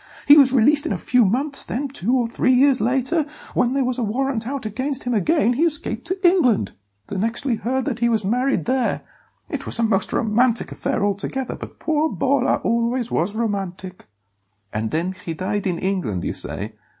He was released in a few months; then, two or three years later, when there was a warrant out against him again, he escaped to England. The next we heard was that he was married there. It was a most romantic affair altogether, but poor Bolla always was romantic." "And then he died in England, you say?"